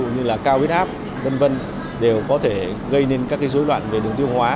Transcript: như là cao vết áp vân vân đều có thể gây nên các cái dối loạn về đường tiêu hóa